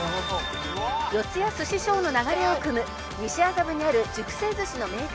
「四谷すし匠の流れをくむ西麻布にある熟成鮨の名店村瀬」